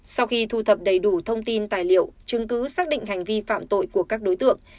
sau khi thu thập đầy đủ thông tin tài liệu chứng cứ xác định hành vi phạm tội của các đối tượng